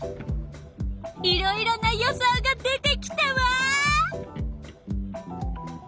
いろいろな予想が出てきたわ！